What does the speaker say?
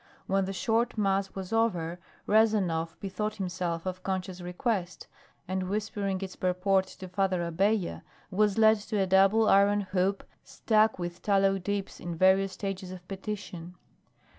When the short mass was over, Rezanov bethought himself of Concha's request, and whispering its purport to Father Abella was led to a double iron hoop stuck with tallow dips in various stages of petition.